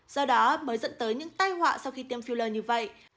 do đó mới dẫn tới những tai họa sau khi tiêm filer như vậy